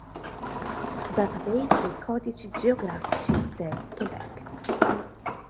Database dei codici geografici del Québec